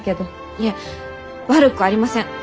いえ悪くありません！